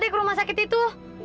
dek rumah sakit itu